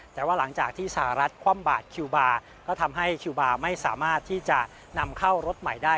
แต่ว่าหลังจากที่สหรัฐคว่ำบาดคิวบาร์ก็ทำให้คิวบาร์ไม่สามารถที่จะนำเข้ารถใหม่ได้